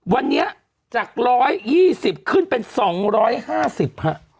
วันนี้จาก๑๒๐ขึ้นเป็น๒๕๐ฮะ